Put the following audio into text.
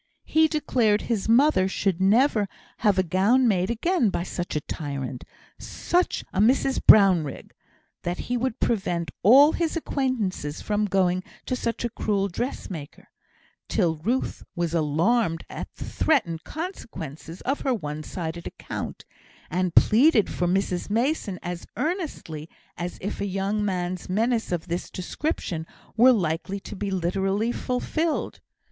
He declared his mother should never have a gown made again by such a tyrant such a Mrs Brownrigg; that he would prevent all his acquaintances from going to such a cruel dressmaker; till Ruth was alarmed at the threatened consequences of her one sided account, and pleaded for Mrs Mason as earnestly as if a young man's menace of this description were likely to be literally fulfilled.